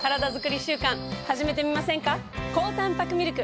高たんぱくミルク！